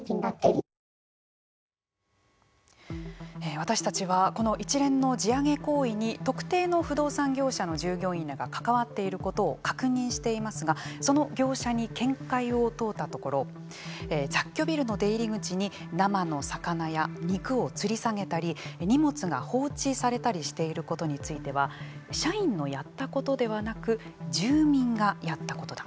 私たちはこの一連の地上げ行為に特定の不動産業者の従業員らが関わっていることを確認していますがその業者に見解を問うたところ雑居ビルの出入り口に生の魚や肉をつり下げたり荷物が放置されたりしていることについては社員のやったことではなく住民がやったことだ。